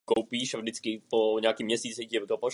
Dovolte mi, abych se k tomu stručně vyjádřil.